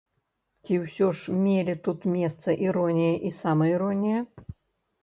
Ці ўсё ж мелі тут месца іронія і самаіронія?